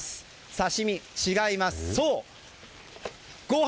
刺し身？違います。